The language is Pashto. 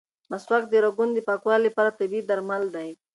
مسواک د رګونو د پاکوالي لپاره طبیعي درمل دي.